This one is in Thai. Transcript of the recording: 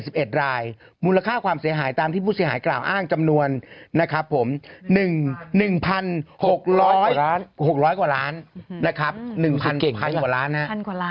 ภาพหมนข้าวความเสียหายตามที่ผู้เสียหายกล่าวอ้างจำนวนนะครับ๑๖๐๐กว่าร้านนะครับ๑๐๐๐กว่าร้านนะ